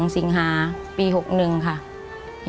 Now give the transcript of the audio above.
สุดท้าย